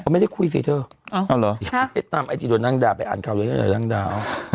ก็ไม่ได้คุยสิเธอเอาเอาเหรอฮะไปตามไอจีโดยนั่งด่าไปอ่านเขาด้วยก็ได้นั่งด่า